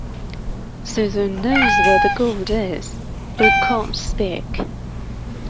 Susan knows where the gold is, but can't speak.